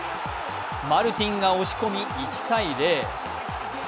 マルティンが押し込み１−０。